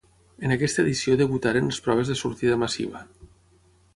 En aquesta edició debutaren les proves de sortida massiva.